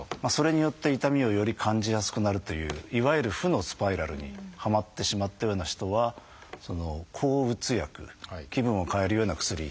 それによって痛みをより感じやすくなるといういわゆる負のスパイラルにはまってしまったような人は抗うつ薬気分を変えるような薬。